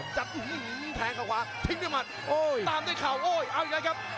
แทงเขาขวาทิ้งด้วยหมัดโอ้ยตามด้วยข่าวโอ้ยเอาอีกแล้วครับ